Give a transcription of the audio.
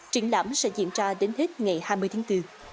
triển lãm sẽ diễn ra đến hết ngày hai mươi tháng bốn